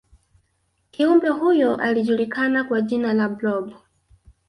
kiumbe huyo alijulikana kwa jina la blob